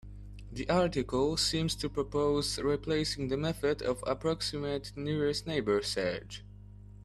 The article seems to propose replacing the method of approximate nearest neighbor search.